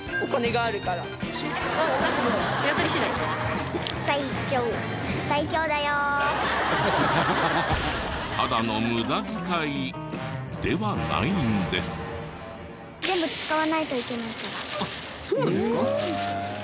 あっそうなんですか？